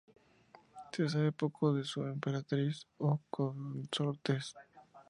Se sabe poco de su emperatriz o consortes.